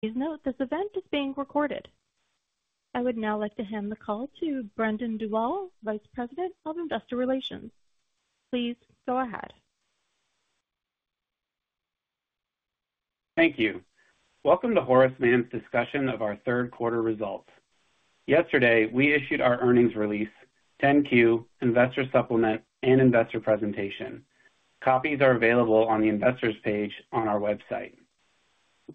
Please note this event is being recorded. I would now like to hand the call to Brendan Dawal, Vice President of Investor Relations. Please go ahead. Thank you. Welcome to Horace Mann's discussion of our third quarter results. Yesterday, we issued our earnings release, 10-Q Investor Supplement and Investor Presentation. Copies are available on the Investors page on our website.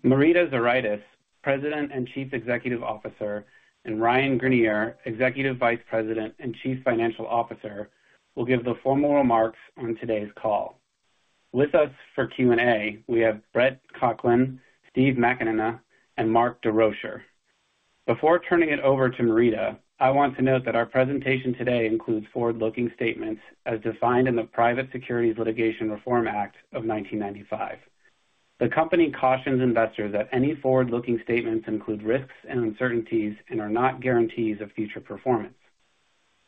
Marita Zuraitis, President and Chief Executive Officer, and Ryan Greenier, Executive Vice President and Chief Financial Officer, will give the formal remarks on today's call. With us for Q&A, we have Brett Conklin, Steve McAnena, and Mark Desrochers. Before turning it over to Marita, I want to note that our presentation today includes forward-looking statements as defined in the Private Securities Litigation Reform Act of 1995. The company cautions investors that any forward-looking statements include risks and uncertainties and are not guarantees of future performance.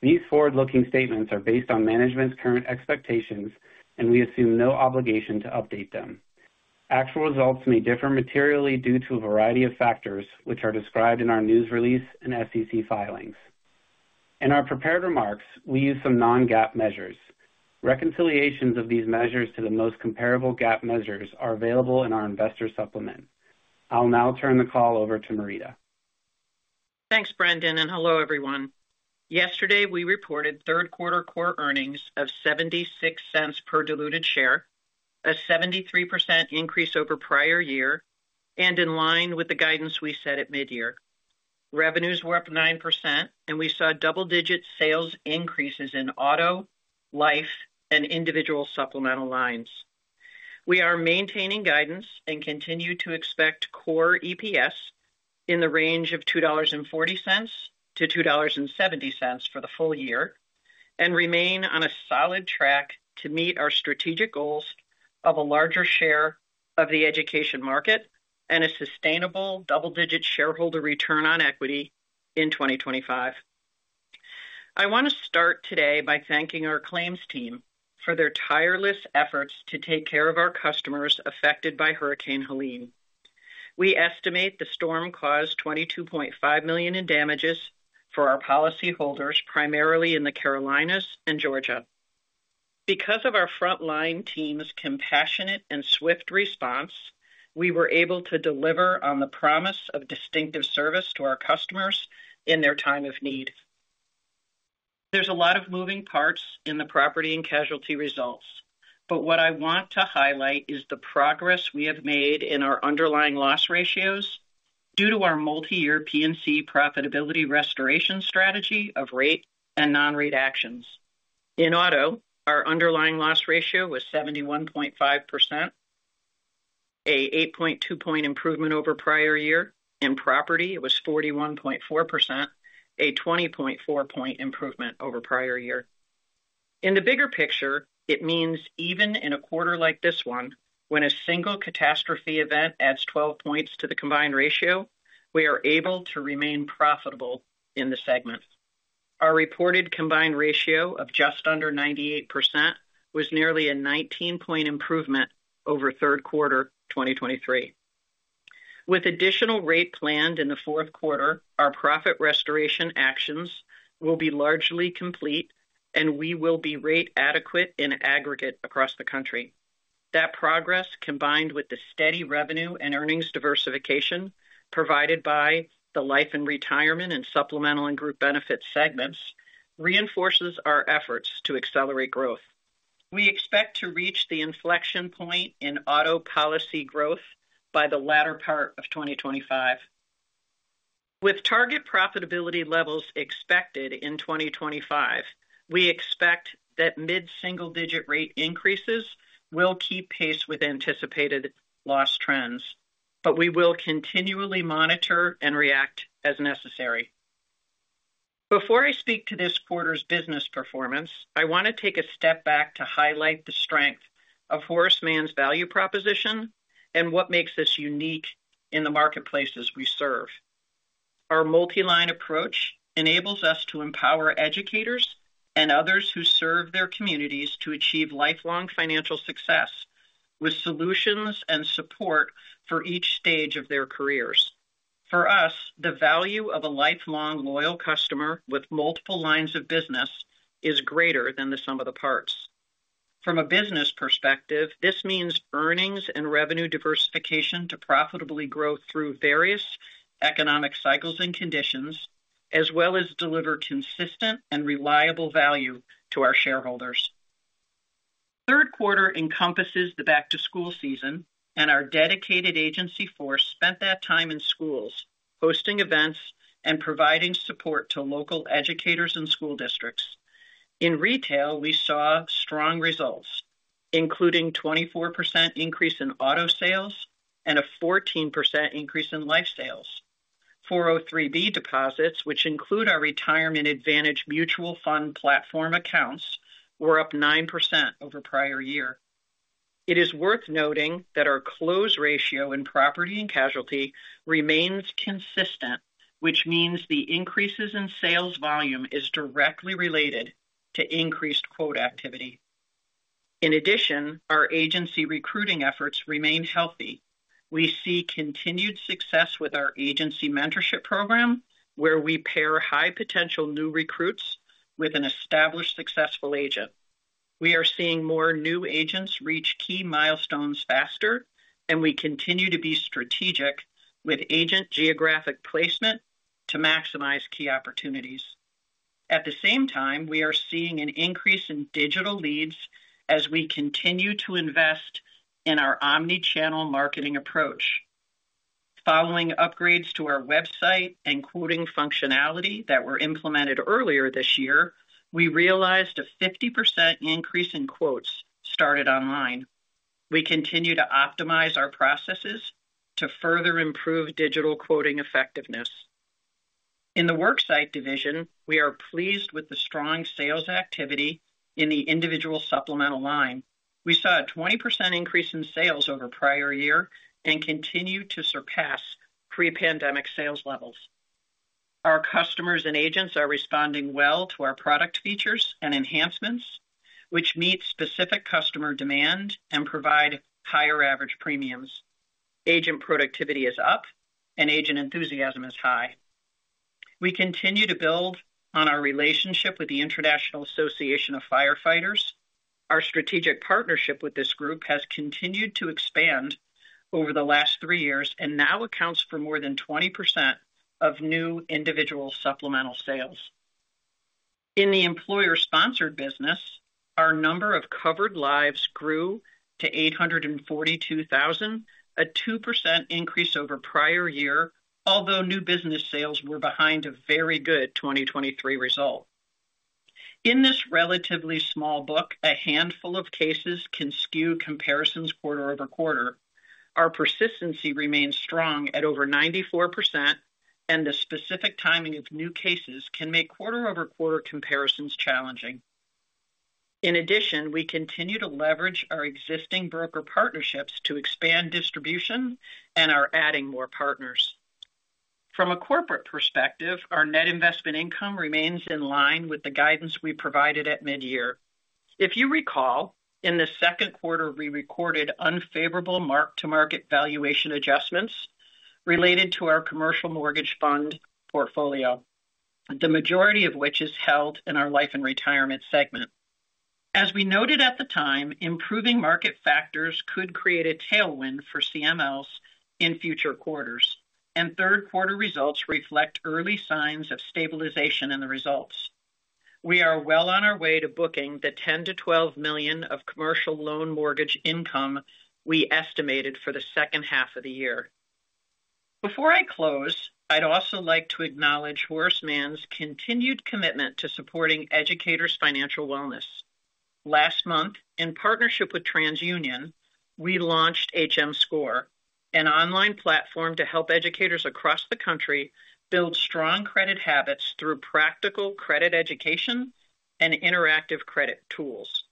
These forward-looking statements are based on management's current expectations, and we assume no obligation to update them. Actual results may differ materially due to a variety of factors, which are described in our news release and SEC filings. In our prepared remarks, we use some non-GAAP measures. Reconciliations of these measures to the most comparable GAAP measures are available in our Investor Supplement. I'll now turn the call over to Marita. Thanks, Brendan, and hello, everyone. Yesterday, we reported third quarter core earnings of $0.76 per diluted share, a 73% increase over prior year, and in line with the guidance we set at mid-year. Revenues were up 9%, and we saw double-digit sales increases in auto, life, and individual supplemental lines. We are maintaining guidance and continue to expect core EPS in the range of $2.40-$2.70 for the full year and remain on a solid track to meet our strategic goals of a larger share of the education market and a sustainable double-digit shareholder return on equity in 2025. I want to start today by thanking our claims team for their tireless efforts to take care of our customers affected by Hurricane Helene. We estimate the storm caused $22.5 million in damages for our policyholders, primarily in the Carolinas and Georgia. Because of our frontline team's compassionate and swift response, we were able to deliver on the promise of distinctive service to our customers in their time of need. There's a lot of moving parts in the property and casualty results, but what I want to highlight is the progress we have made in our underlying loss ratios due to our multi-year P&C profitability restoration strategy of rate and non-rate actions. In auto, our underlying loss ratio was 71.5%, an 8.2-point improvement over prior year. In property, it was 41.4%, a 20.4-point improvement over prior year. In the bigger picture, it means even in a quarter like this one, when a single catastrophe event adds 12 points to the combined ratio, we are able to remain profitable in the segment. Our reported combined ratio of just under 98% was nearly a 19-point improvement over third quarter 2023. With additional rate planned in the fourth quarter, our profit restoration actions will be largely complete, and we will be rate adequate in aggregate across the country. That progress, combined with the steady revenue and earnings diversification provided by the Life and Retirement and Supplemental and Group Benefits segments, reinforces our efforts to accelerate growth. We expect to reach the inflection point in auto policy growth by the latter part of 2025. With target profitability levels expected in 2025, we expect that mid-single-digit rate increases will keep pace with anticipated loss trends, but we will continually monitor and react as necessary. Before I speak to this quarter's business performance, I want to take a step back to highlight the strength of Horace Mann's value proposition and what makes us unique in the marketplaces we serve. Our multi-line approach enables us to empower educators and others who serve their communities to achieve lifelong financial success with solutions and support for each stage of their careers. For us, the value of a lifelong loyal customer with multiple lines of business is greater than the sum of the parts. From a business perspective, this means earnings and revenue diversification to profitably grow through various economic cycles and conditions, as well as deliver consistent and reliable value to our shareholders. Third quarter encompasses the back-to-school season, and our dedicated agency force spent that time in schools, hosting events and providing support to local educators and school districts. In retail, we saw strong results, including a 24% increase in auto sales and a 14% increase in life sales. 403(b) deposits, which include our Retirement Advantage mutual fund platform accounts, were up 9% over prior year. It is worth noting that our close ratio in Property and Casualty remains consistent, which means the increases in sales volume are directly related to increased quote activity. In addition, our agency recruiting efforts remain healthy. We see continued success with our agency mentorship program, where we pair high-potential new recruits with an established successful agent. We are seeing more new agents reach key milestones faster, and we continue to be strategic with agent geographic placement to maximize key opportunities. At the same time, we are seeing an increase in digital leads as we continue to invest in our omnichannel marketing approach. Following upgrades to our website and quoting functionality that were implemented earlier this year, we realized a 50% increase in quotes started online. We continue to optimize our processes to further improve digital quoting effectiveness. In the worksite division, we are pleased with the strong sales activity in the individual supplemental line. We saw a 20% increase in sales over prior year and continue to surpass pre-pandemic sales levels. Our customers and agents are responding well to our product features and enhancements, which meet specific customer demand and provide higher average premiums. Agent productivity is up, and agent enthusiasm is high. We continue to build on our relationship with the International Association of Firefighters. Our strategic partnership with this group has continued to expand over the last three years and now accounts for more than 20% of new individual supplemental sales. In the employer-sponsored business, our number of covered lives grew to 842,000, a 2% increase over prior year, although new business sales were behind a very good 2023 result. In this relatively small book, a handful of cases can skew comparisons quarter-over-quarter. Our persistency remains strong at over 94%, and the specific timing of new cases can make quarter-over-quarter comparisons challenging. In addition, we continue to leverage our existing broker partnerships to expand distribution and are adding more partners. From a corporate perspective, our net investment income remains in line with the guidance we provided at mid-year. If you recall, in the second quarter, we recorded unfavorable mark-to-market valuation adjustments related to our commercial mortgage fund portfolio, the majority of which is held in our life and retirement segment. As we noted at the time, improving market factors could create a tailwind for CMLs in future quarters, and third quarter results reflect early signs of stabilization in the results. We are well on our way to booking the $10-$12 million of commercial mortgage loan income we estimated for the second half of the year. Before I close, I'd also like to acknowledge Horace Mann's continued commitment to supporting educators' financial wellness. Last month, in partnership with TransUnion, we launched HMScore, an online platform to help educators across the country build strong credit habits through practical credit education and interactive credit tools.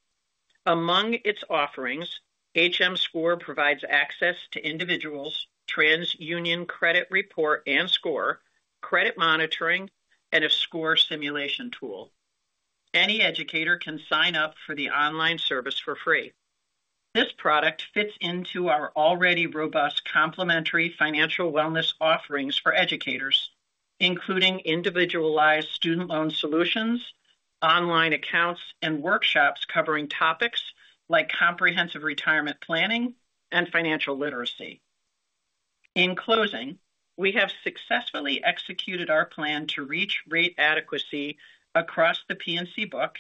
Among its offerings, HMScore provides access to individuals' TransUnion credit report and score, credit monitoring, and a score simulation tool. Any educator can sign up for the online service for free. This product fits into our already robust complementary financial wellness offerings for educators, including individualized student loan solutions, online accounts, and workshops covering topics like comprehensive retirement planning and financial literacy. In closing, we have successfully executed our plan to reach rate adequacy across the P&C book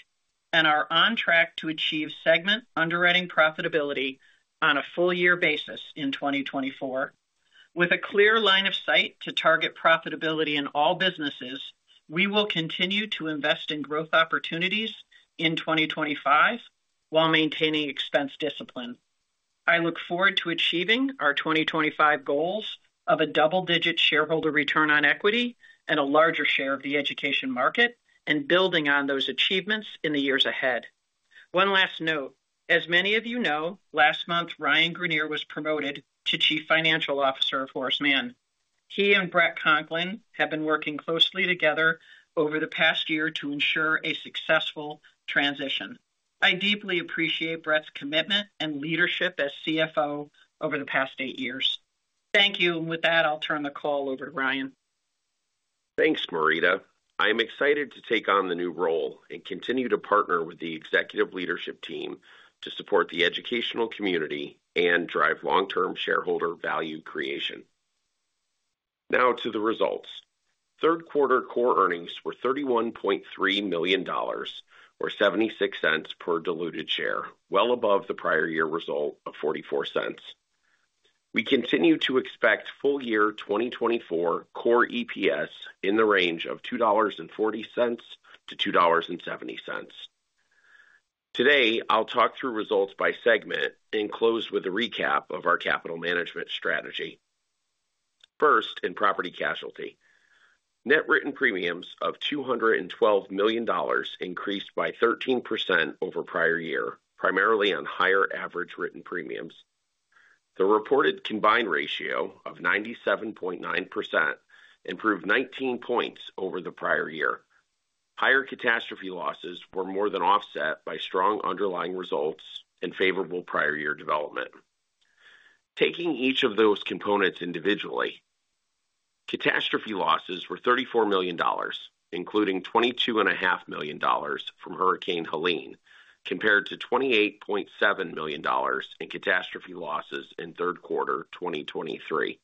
and are on track to achieve segment underwriting profitability on a full-year basis in 2024. With a clear line of sight to target profitability in all businesses, we will continue to invest in growth opportunities in 2025 while maintaining expense discipline. I look forward to achieving our 2025 goals of a double-digit shareholder return on equity and a larger share of the education market and building on those achievements in the years ahead. One last note, as many of you know, last month, Ryan Greenier was promoted to Chief Financial Officer of Horace Mann. He and Brett Conklin have been working closely together over the past year to ensure a successful transition. I deeply appreciate Brett's commitment and leadership as CFO over the past eight years. Thank you, and with that, I'll turn the call over to Ryan. Thanks, Marita. I'm excited to take on the new role and continue to partner with the executive leadership team to support the educational community and drive long-term shareholder value creation. Now to the results. Third quarter core earnings were $31.3 million, or $0.76 per diluted share, well above the prior year result of $0.44. We continue to expect full-year 2024 core EPS in the range of $2.40-$2.70. Today, I'll talk through results by segment and close with a recap of our capital management strategy. First, in property casualty, net written premiums of $212 million increased by 13% over prior year, primarily on higher average written premiums. The reported combined ratio of 97.9% improved 19 points over the prior year. Higher catastrophe losses were more than offset by strong underlying results and favorable prior year development. Taking each of those components individually, catastrophe losses were $34 million, including $22.5 million from Hurricane Helene, compared to $28.7 million in catastrophe losses in third quarter 2023.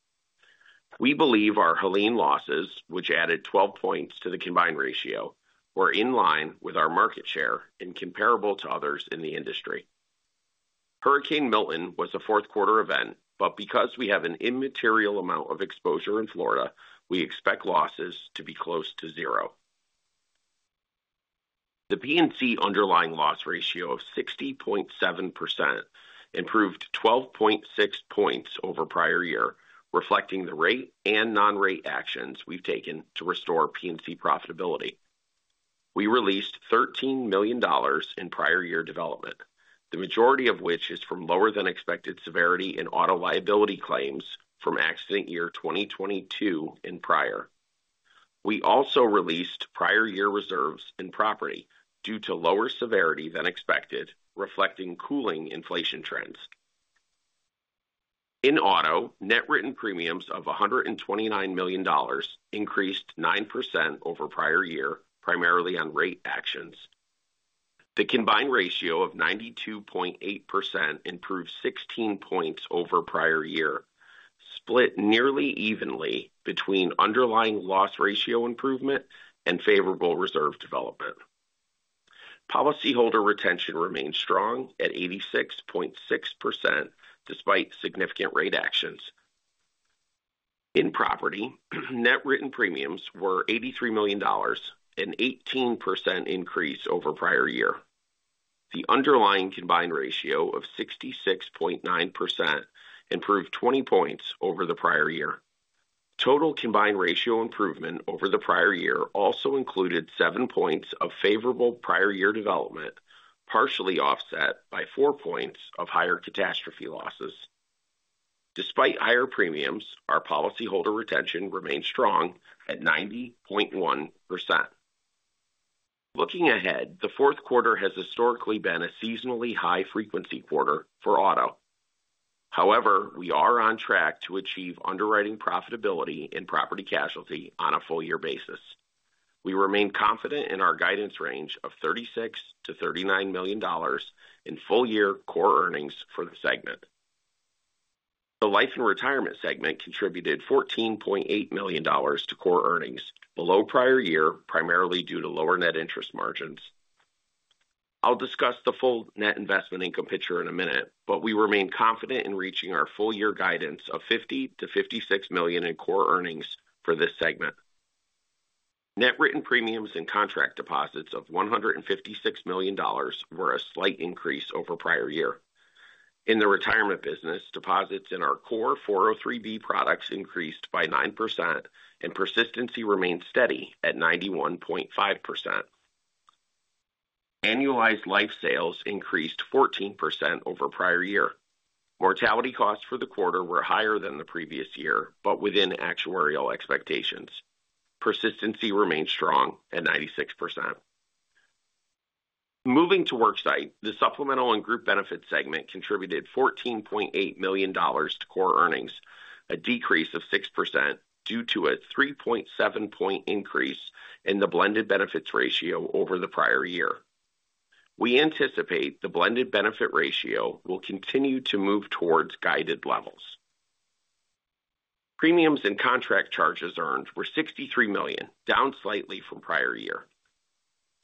We believe our Helene losses, which added 12 points to the combined ratio, were in line with our market share and comparable to others in the industry. Hurricane Milton was a fourth quarter event, but because we have an immaterial amount of exposure in Florida, we expect losses to be close to zero. The P&C underlying loss ratio of 60.7% improved 12.6 points over prior year, reflecting the rate and non-rate actions we've taken to restore P&C profitability. We released $13 million in prior year development, the majority of which is from lower-than-expected severity in auto liability claims from accident year 2022 and prior. We also released prior year reserves in property due to lower severity than expected, reflecting cooling inflation trends. In auto, net written premiums of $129 million increased 9% over prior year, primarily on rate actions. The combined ratio of 92.8% improved 16 points over prior year, split nearly evenly between underlying loss ratio improvement and favorable reserve development. Policyholder retention remained strong at 86.6% despite significant rate actions. In property, net written premiums were $83 million, an 18% increase over prior year. The underlying combined ratio of 66.9% improved 20 points over the prior year. Total combined ratio improvement over the prior year also included seven points of favorable prior year development, partially offset by four points of higher catastrophe losses. Despite higher premiums, our policyholder retention remained strong at 90.1%. Looking ahead, the fourth quarter has historically been a seasonally high-frequency quarter for auto. However, we are on track to achieve underwriting profitability in property casualty on a full-year basis. We remain confident in our guidance range of $36-$39 million in full-year core earnings for the segment. The life and retirement segment contributed $14.8 million to core earnings, below prior year, primarily due to lower net interest margins. I'll discuss the full net investment income picture in a minute, but we remain confident in reaching our full-year guidance of $50-$56 million in core earnings for this segment. Net written premiums and contract deposits of $156 million were a slight increase over prior year. In the retirement business, deposits in our core 403(b) products increased by 9%, and persistency remained steady at 91.5%. Annualized life sales increased 14% over prior year. Mortality costs for the quarter were higher than the previous year, but within actuarial expectations. Persistency remained strong at 96%. Moving to worksite, the supplemental and group benefits segment contributed $14.8 million to core earnings, a decrease of 6% due to a 3.7-point increase in the blended benefit ratio over the prior year. We anticipate the blended benefit ratio will continue to move towards guided levels. Premiums and contract charges earned were $63 million, down slightly from prior year.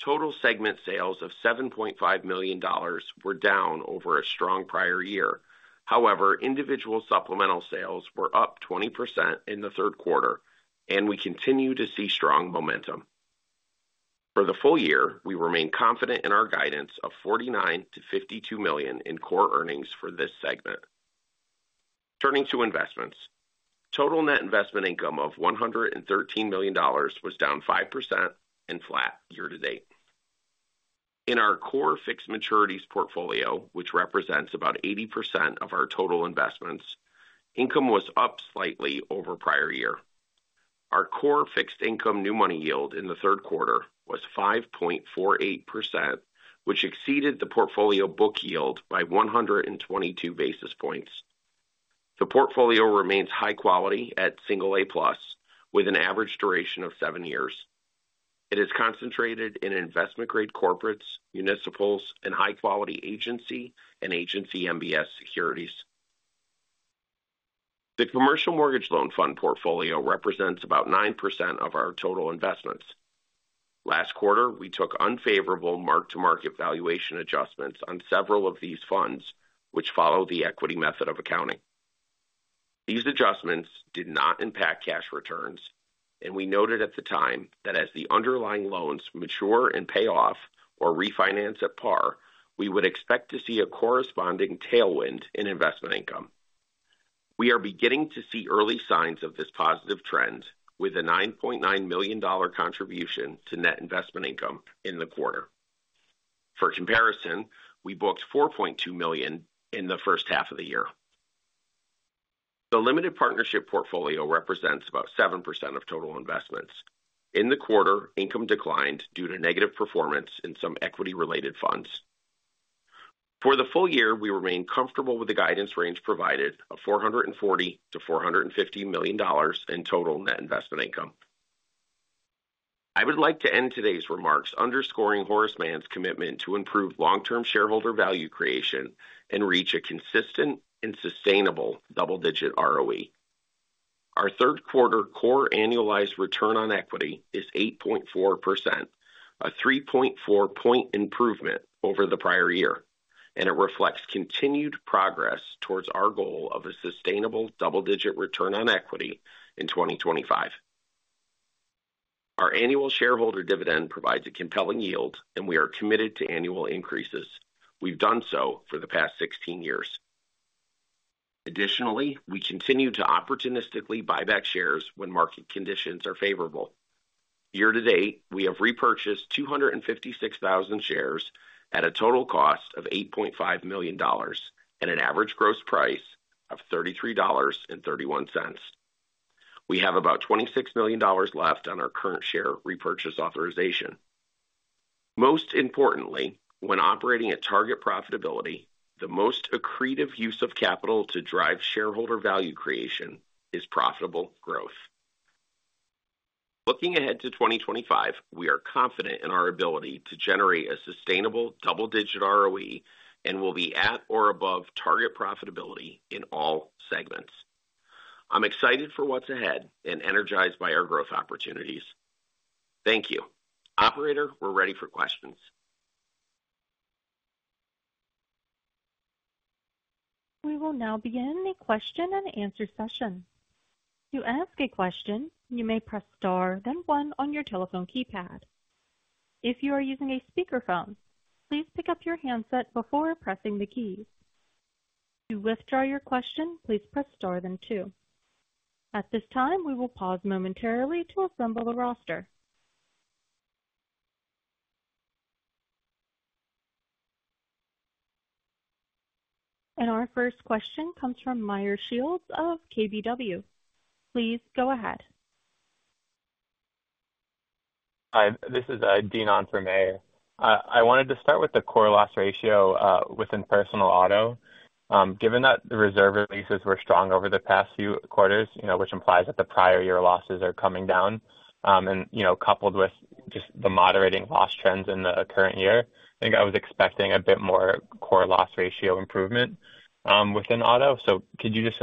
Total segment sales of $7.5 million were down over a strong prior year. However, individual supplemental sales were up 20% in the third quarter, and we continue to see strong momentum. For the full year, we remain confident in our guidance of $49-$52 million in core earnings for this segment. Turning to investments, total net investment income of $113 million was down 5% and flat year to date. In our core fixed maturities portfolio, which represents about 80% of our total investments, income was up slightly over prior year. Our core fixed income new money yield in the third quarter was 5.48%, which exceeded the portfolio book yield by 122 basis points. The portfolio remains high quality at single A-plus, with an average duration of seven years. It is concentrated in investment-grade corporates, municipals, and high-quality agency and agency MBS securities. The commercial mortgage loan fund portfolio represents about nine% of our total investments. Last quarter, we took unfavorable mark-to-market valuation adjustments on several of these funds, which follow the equity method of accounting. These adjustments did not impact cash returns, and we noted at the time that as the underlying loans mature and pay off or refinance at par, we would expect to see a corresponding tailwind in investment income. We are beginning to see early signs of this positive trend with a $9.9 million contribution to net investment income in the quarter. For comparison, we booked $4.2 million in the first half of the year. The limited partnership portfolio represents about 7% of total investments. In the quarter, income declined due to negative performance in some equity-related funds. For the full year, we remain comfortable with the guidance range provided of $440-$450 million in total net investment income. I would like to end today's remarks underscoring Horace Mann's commitment to improve long-term shareholder value creation and reach a consistent and sustainable double-digit ROE. Our third quarter core annualized return on equity is 8.4%, a 3.4-point improvement over the prior year, and it reflects continued progress towards our goal of a sustainable double-digit return on equity in 2025. Our annual shareholder dividend provides a compelling yield, and we are committed to annual increases. We've done so for the past 16 years. Additionally, we continue to opportunistically buy back shares when market conditions are favorable. Year to date, we have repurchased 256,000 shares at a total cost of $8.5 million and an average gross price of $33.31. We have about $26 million left on our current share repurchase authorization. Most importantly, when operating at target profitability, the most accretive use of capital to drive shareholder value creation is profitable growth. Looking ahead to 2025, we are confident in our ability to generate a sustainable double-digit ROE and will be at or above target profitability in all segments. I'm excited for what's ahead and energized by our growth opportunities. Thank you. Operator, we're ready for questions. We will now begin a question and answer session. To ask a question, you may press star, then one on your telephone keypad. If you are using a speakerphone, please pick up your handset before pressing the keys. To withdraw your question, please press star, then two. At this time, we will pause momentarily to assemble the roster, and our first question comes from Meyer Shields of KBW. Please go ahead. Hi, this is Dean O'Brien. I wanted to start with the core loss ratio within personal auto. Given that the reserve releases were strong over the past few quarters, which implies that the prior year losses are coming down, and coupled with just the moderating loss trends in the current year, I think I was expecting a bit more core loss ratio improvement within auto. So could you just,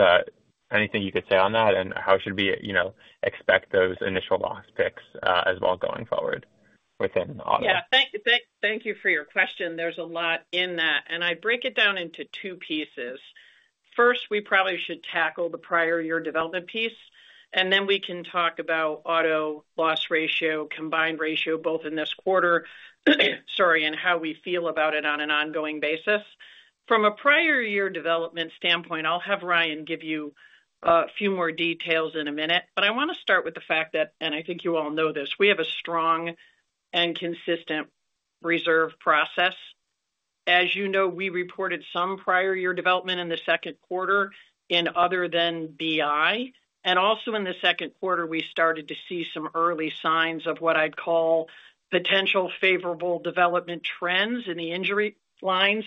anything you could say on that, and how should we expect those initial loss picks as well going forward within auto? Yeah, thank you for your question. There's a lot in that, and I break it down into two pieces. First, we probably should tackle the prior year development piece, and then we can talk about auto loss ratio, combined ratio, both in this quarter, sorry, and how we feel about it on an ongoing basis. From a prior year development standpoint, I'll have Ryan give you a few more details in a minute, but I want to start with the fact that, and I think you all know this, we have a strong and consistent reserve process. As you know, we reported some prior year development in the second quarter in other than BI. And also in the second quarter, we started to see some early signs of what I'd call potential favorable development trends in the injury lines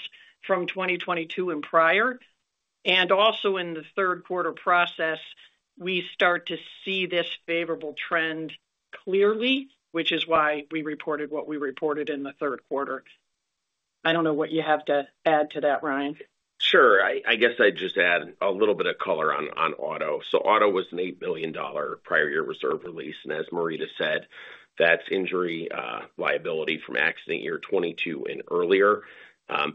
from 2022 and prior. Also in the third quarter process, we start to see this favorable trend clearly, which is why we reported what we reported in the third quarter. I don't know what you have to add to that, Ryan. Sure. I guess I'd just add a little bit of color on auto. So auto was an $8 million prior year reserve release, and as Marita said, that's injury liability from accident year 2022 and earlier.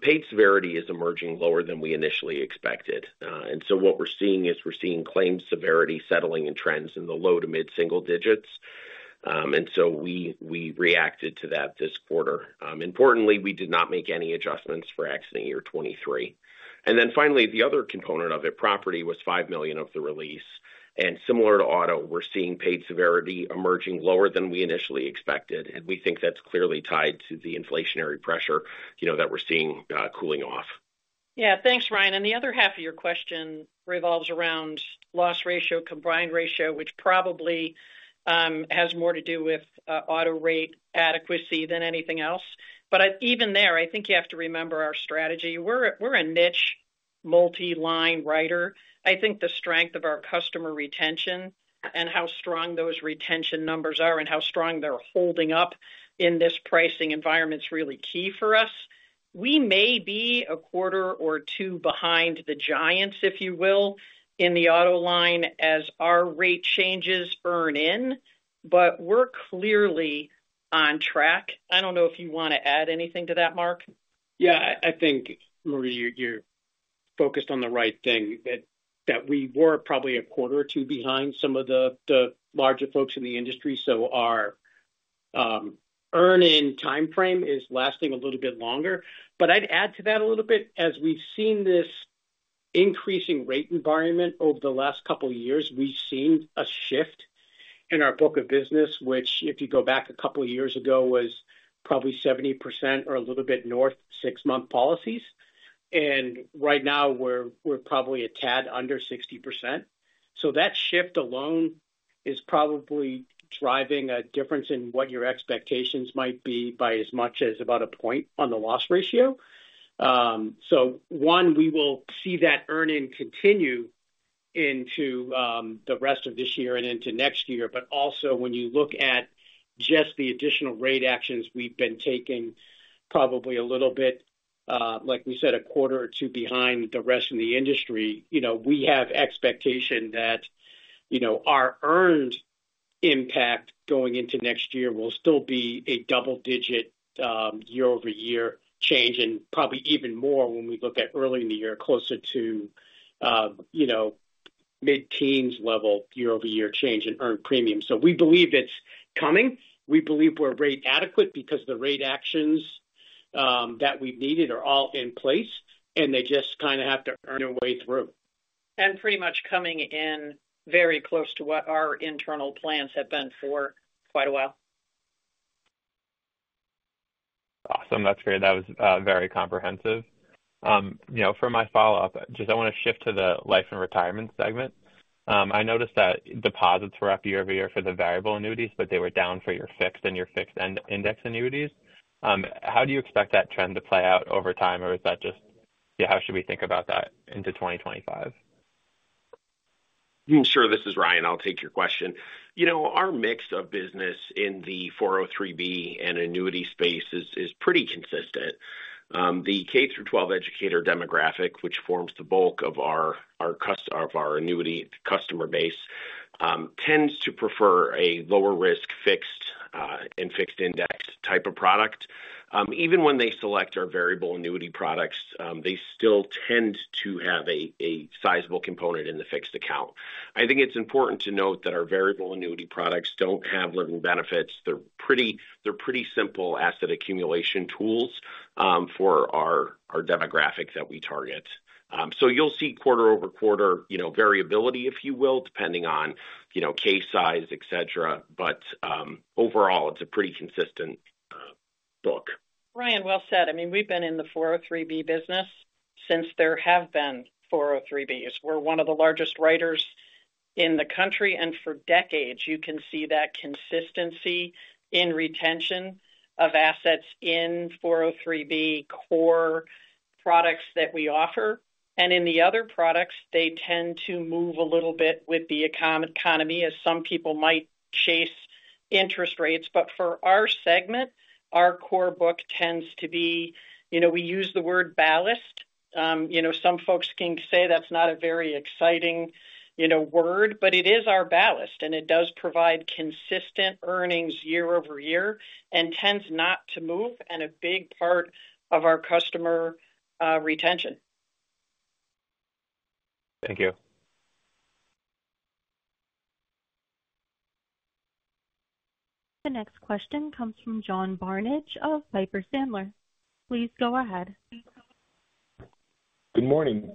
Paid severity is emerging lower than we initially expected. And so what we're seeing is we're seeing claim severity settling in trends in the low to mid-single digits. And so we reacted to that this quarter. Importantly, we did not make any adjustments for accident year 2023. And then finally, the other component of it, property, was $5 million of the release. And similar to auto, we're seeing paid severity emerging lower than we initially expected, and we think that's clearly tied to the inflationary pressure that we're seeing cooling off. Yeah, thanks, Ryan. And the other half of your question revolves around loss ratio, combined ratio, which probably has more to do with auto rate adequacy than anything else. But even there, I think you have to remember our strategy. We're a niche multi-line writer. I think the strength of our customer retention and how strong those retention numbers are and how strong they're holding up in this pricing environment is really key for us. We may be a quarter or two behind the giants, if you will, in the auto line as our rate changes burn in, but we're clearly on track. I don't know if you want to add anything to that, Mark. Yeah, I think, Marita, you're focused on the right thing, that we were probably a quarter or two behind some of the larger folks in the industry. So our earn-in timeframe is lasting a little bit longer. But I'd add to that a little bit. As we've seen this increasing rate environment over the last couple of years, we've seen a shift in our book of business, which, if you go back a couple of years ago, was probably 70% or a little bit north, six-month policies. And right now, we're probably a tad under 60%. So that shift alone is probably driving a difference in what your expectations might be by as much as about a point on the loss ratio. So one, we will see that earn-in continue into the rest of this year and into next year. But also, when you look at just the additional rate actions we've been taking, probably a little bit, like we said, a quarter or two behind the rest of the industry, we have expectation that our earned impact going into next year will still be a double-digit year-over-year change and probably even more when we look at early in the year, closer to mid-teens level year-over-year change in earned premium. So we believe it's coming. We believe we're rate adequate because the rate actions that we've needed are all in place, and they just kind of have to earn their way through. Pretty much coming in very close to what our internal plans have been for quite a while. Awesome. That's great. That was very comprehensive. For my follow-up, just I want to shift to the Life and Retirement segment. I noticed that deposits were up year over year for the variable annuities, but they were down for your fixed and your fixed index annuities. How do you expect that trend to play out over time, or is that just, yeah, how should we think about that into 2025? Sure, this is Ryan. I'll take your question. Our mix of business in the 403(b) and annuity space is pretty consistent. The K through 12 educator demographic, which forms the bulk of our annuity customer base, tends to prefer a lower-risk fixed and fixed index type of product. Even when they select our variable annuity products, they still tend to have a sizable component in the fixed account. I think it's important to note that our variable annuity products don't have living benefits. They're pretty simple asset accumulation tools for our demographic that we target. So you'll see quarter-over-quarter variability, if you will, depending on case size, etc. But overall, it's a pretty consistent book. Ryan, well said. I mean, we've been in the 403(b) business since there have been 403(b)s. We're one of the largest writers in the country, and for decades, you can see that consistency in retention of assets in 403(b) core products that we offer. In the other products, they tend to move a little bit with the economy, as some people might chase interest rates. For our segment, our core book tends to be; we use the word ballast. Some folks can say that's not a very exciting word, but it is our ballast, and it does provide consistent earnings year over year and tends not to move and a big part of our customer retention. Thank you. The next question comes from John Barnidge of Piper Sandler. Please go ahead. Good morning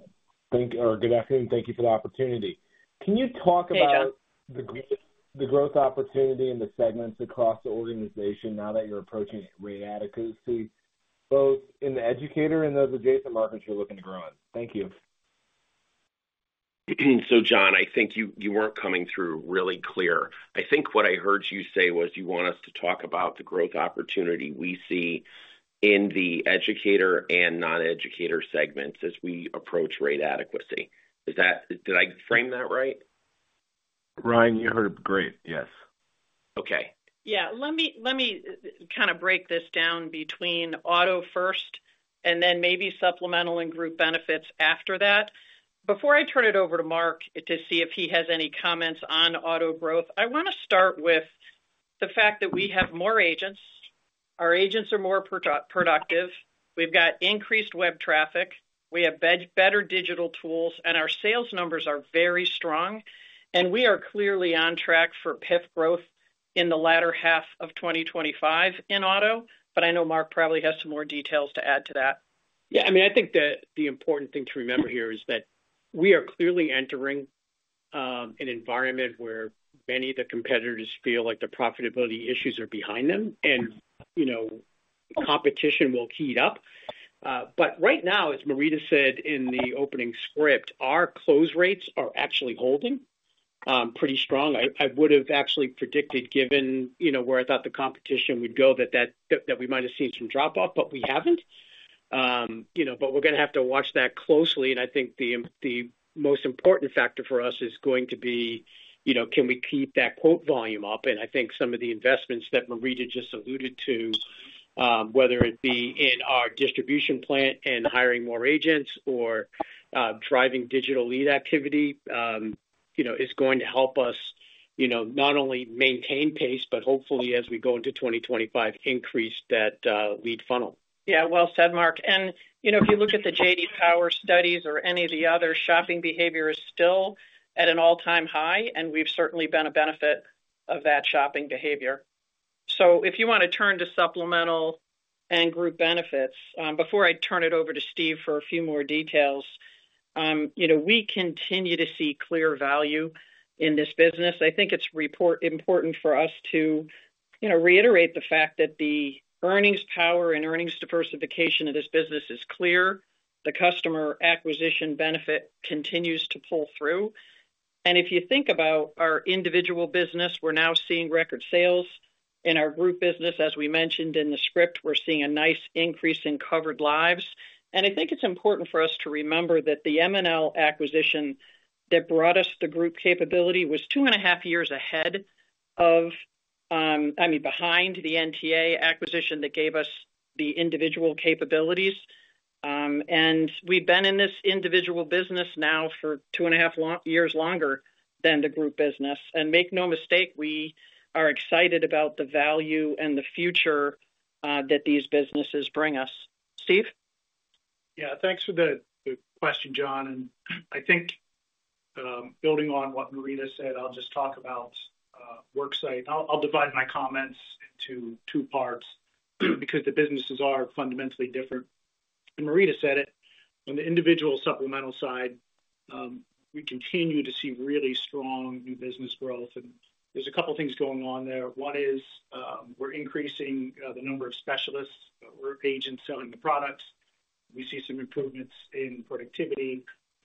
or good afternoon. Thank you for the opportunity. Can you talk about the growth opportunity and the segments across the organization now that you're approaching rate adequacy, both in the educator and those adjacent markets you're looking to grow in? Thank you. So John, I think you weren't coming through really clear. I think what I heard you say was you want us to talk about the growth opportunity we see in the educator and non-educator segments as we approach rate adequacy. Did I frame that right? Ryan, you heard it great. Yes. Okay. Yeah. Let me kind of break this down between auto first and then maybe supplemental and group benefits after that. Before I turn it over to Mark to see if he has any comments on auto growth, I want to start with the fact that we have more agents. Our agents are more productive. We've got increased web traffic. We have better digital tools, and our sales numbers are very strong. And we are clearly on track for PIF growth in the latter half of 2025 in auto, but I know Mark probably has some more details to add to that. Yeah. I mean, I think the important thing to remember here is that we are clearly entering an environment where many of the competitors feel like the profitability issues are behind them, and competition will heat up. But right now, as Marita said in the opening script, our close rates are actually holding pretty strong. I would have actually predicted, given where I thought the competition would go, that we might have seen some drop-off, but we haven't. But we're going to have to watch that closely. And I think the most important factor for us is going to be, can we keep that quote volume up? I think some of the investments that Marita just alluded to, whether it be in our distribution plant and hiring more agents or driving digital lead activity, is going to help us not only maintain pace, but hopefully, as we go into 2025, increase that lead funnel. Yeah. Well said, Mark, and if you look at the J.D. Power studies or any of the others, shopping behavior is still at an all-time high, and we've certainly been a benefit of that shopping behavior. So if you want to turn to supplemental and group benefits, before I turn it over to Steve for a few more details, we continue to see clear value in this business. I think it's important for us to reiterate the fact that the earnings power and earnings diversification of this business is clear. The customer acquisition benefit continues to pull through, and if you think about our individual business, we're now seeing record sales. In our group business, as we mentioned in the script, we're seeing a nice increase in covered lives. And I think it's important for us to remember that the MNL acquisition that brought us the group capability was two and a half years ahead of, I mean, behind the NTA acquisition that gave us the individual capabilities. And we've been in this individual business now for two and a half years longer than the group business. And make no mistake, we are excited about the value and the future that these businesses bring us. Steve? Yeah. Thanks for the question, John. I think building on what Marita said, I'll just talk about WorkSite. I'll divide my comments into two parts because the businesses are fundamentally different. Marita said it. On the individual supplemental side, we continue to see really strong new business growth. There's a couple of things going on there. One is we're increasing the number of specialists. We're agents selling the products. We see some improvements in productivity,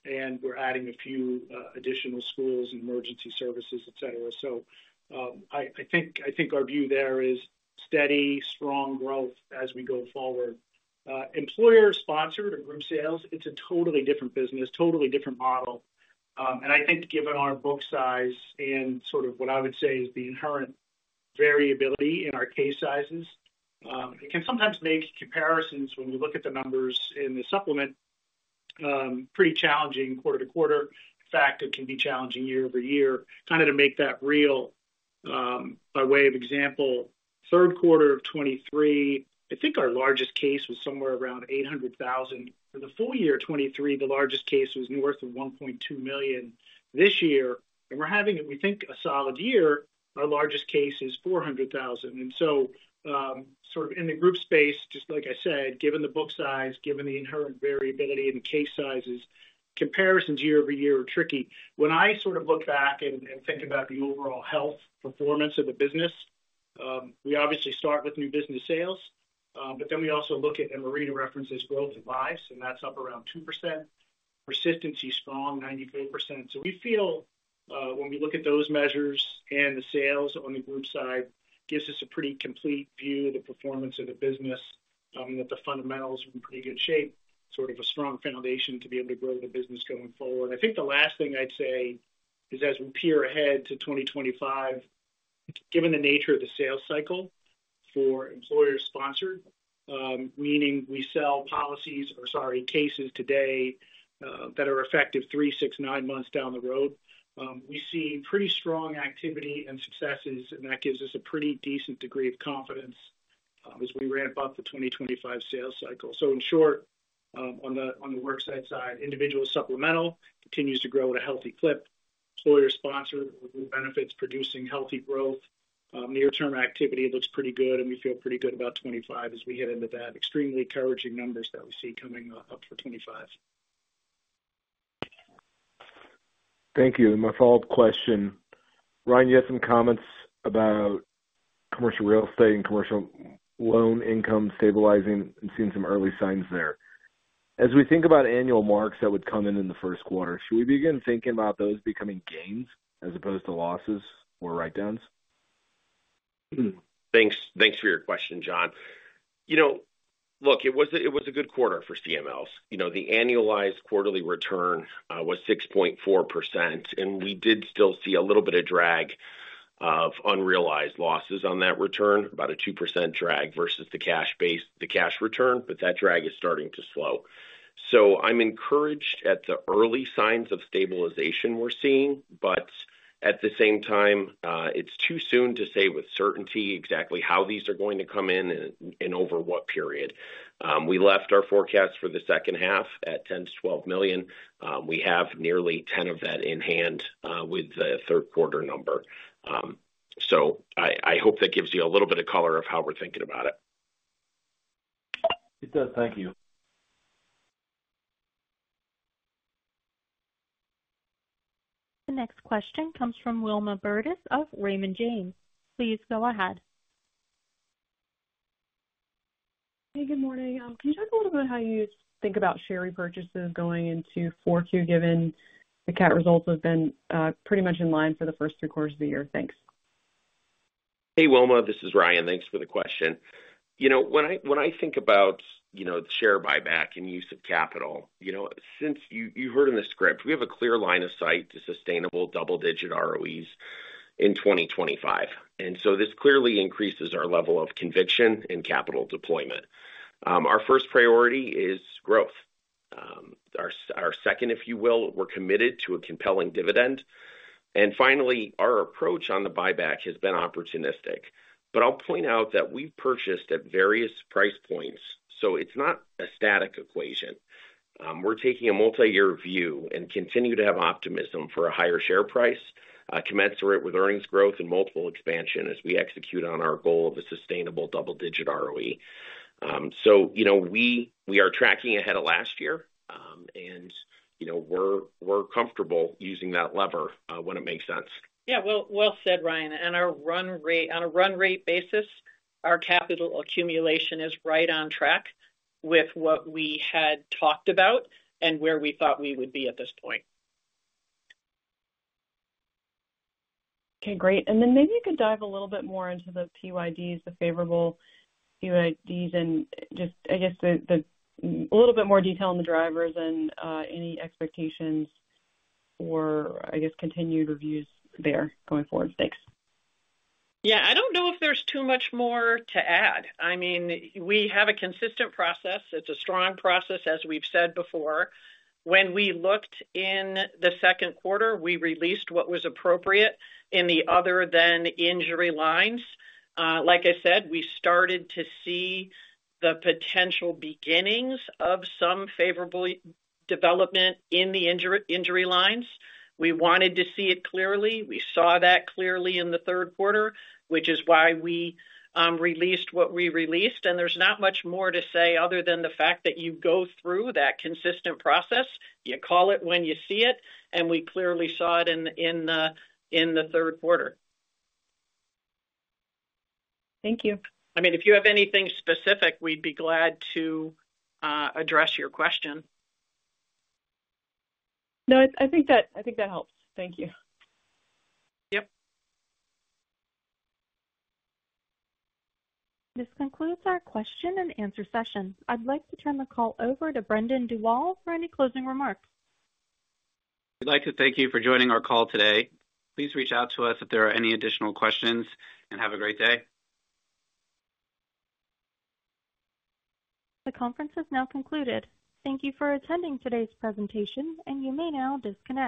and we're adding a few additional schools and emergency services, etc. So I think our view there is steady, strong growth as we go forward. Employer-sponsored or group sales, it's a totally different business, totally different model. And I think given our book size and sort of what I would say is the inherent variability in our case sizes, it can sometimes make comparisons when we look at the numbers in the supplement pretty challenging quarter to quarter. In fact, it can be challenging year-over-year. Kind of to make that real, by way of example, third quarter of 2023, I think our largest case was somewhere around $800,000. For the full year 2023, the largest case was north of $1.2 million this year. And we're having, we think, a solid year. Our largest case is $400,000. And so sort of in the group space, just like I said, given the book size, given the inherent variability in case sizes, comparisons year-over-year are tricky. When I sort of look back and think about the overall health performance of the business, we obviously start with new business sales, but then we also look at, and Marita references, growth and lives, and that's up around 2%. Persistency, strong, 94%. So we feel when we look at those measures and the sales on the group side, it gives us a pretty complete view of the performance of the business, that the fundamentals are in pretty good shape, sort of a strong foundation to be able to grow the business going forward. I think the last thing I'd say is as we peer ahead to 2025, given the nature of the sales cycle for employer-sponsored, meaning we sell policies or, sorry, cases today that are effective three, six, nine months down the road, we see pretty strong activity and successes, and that gives us a pretty decent degree of confidence as we ramp up the 2025 sales cycle. So in short, on the WorkSite side, individual supplemental continues to grow at a healthy clip. Employer-sponsored or group benefits producing healthy growth. Near-term activity looks pretty good, and we feel pretty good about 2025 as we head into that. Extremely encouraging numbers that we see coming up for 2025. Thank you, and my follow-up question, Ryan, you had some comments about commercial real estate and commercial loan income stabilizing and seeing some early signs there. As we think about annual marks that would come in in the first quarter, should we begin thinking about those becoming gains as opposed to losses or write-downs? Thanks for your question, John. Look, it was a good quarter for CMLs. The annualized quarterly return was 6.4%, and we did still see a little bit of drag of unrealized losses on that return, about a 2% drag versus the cash return, but that drag is starting to slow. So I'm encouraged at the early signs of stabilization we're seeing, but at the same time, it's too soon to say with certainty exactly how these are going to come in and over what period. We left our forecast for the second half at $10 million-$12 million. We have nearly $10 million of that in hand with the third quarter number. So I hope that gives you a little bit of color of how we're thinking about it. It does. Thank you. The next question comes from Wilma Burdis of Raymond James. Please go ahead. Hey, good morning. Can you talk a little bit about how you think about share repurchases going into Q4, given the CAT results have been pretty much in line for the first three quarters of the year? Thanks. Hey, Wilma. This is Ryan. Thanks for the question. When I think about share buyback and use of capital, since you heard in the script, we have a clear line of sight to sustainable double-digit ROEs in 2025, and so this clearly increases our level of conviction in capital deployment. Our first priority is growth. Our second, if you will, we're committed to a compelling dividend, and finally, our approach on the buyback has been opportunistic, but I'll point out that we've purchased at various price points, so it's not a static equation. We're taking a multi-year view and continue to have optimism for a higher share price, commensurate with earnings growth and multiple expansion as we execute on our goal of a sustainable double-digit ROE, so we are tracking ahead of last year, and we're comfortable using that lever when it makes sense. Yeah. Well said, Ryan. And on a run rate basis, our capital accumulation is right on track with what we had talked about and where we thought we would be at this point. Okay. Great. And then maybe you could dive a little bit more into the PYDs, the favorable PYDs, and just, I guess, a little bit more detail on the drivers and any expectations or, I guess, continued reviews there going forward. Thanks. Yeah. I don't know if there's too much more to add. I mean, we have a consistent process. It's a strong process, as we've said before. When we looked in the second quarter, we released what was appropriate in the other-than-injury lines. Like I said, we started to see the potential beginnings of some favorable development in the injury lines. We wanted to see it clearly. We saw that clearly in the third quarter, which is why we released what we released. And there's not much more to say other than the fact that you go through that consistent process. You call it when you see it, and we clearly saw it in the third quarter. Thank you. I mean, if you have anything specific, we'd be glad to address your question. No, I think that helps. Thank you. Yep. This concludes our question-and-answer session. I'd like to turn the call over to Brendan Dawal for any closing remarks. We'd like to thank you for joining our call today. Please reach out to us if there are any additional questions, and have a great day. The conference has now concluded. Thank you for attending today's presentation, and you may now disconnect.